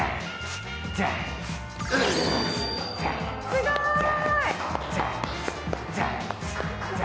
すごい！